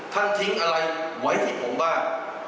ทิ้งอะไรไว้ที่ผมบ้าง